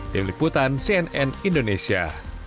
diliputan cnn indonesia